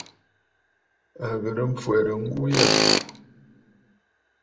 À ghɨ̀rə mfwɛ̀rə ŋgu yâ.